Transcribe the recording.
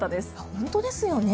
本当ですよね。